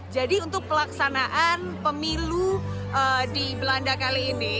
jadi untuk pelaksanaan pemilu di belanda kali ini